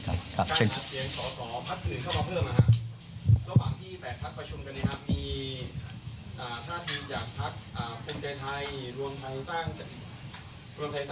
สหรัฐแล้วก็ชาติไทยพฤษณาบอกว่าจะไม่ร่วมรัฐบาลค่ะ